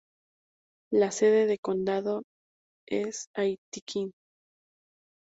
La sede de condado es Aitkin.